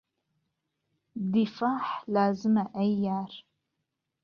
دیفاح لازمه ئهی یار